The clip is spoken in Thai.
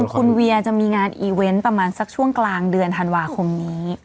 คุณเวียจะมีงานอีเวนต์ประมาณสักช่วงกลางเดือนธันวาคมนี้